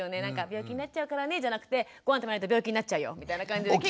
「病気になっちゃうからね」じゃなくて「ごはん食べないと病気になっちゃうよ！」みたいな感じで。